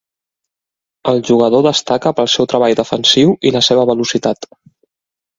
El jugador destaca pel seu treball defensiu i la seva velocitat.